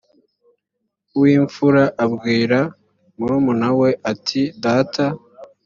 uw imfura abwira murumuna we ati data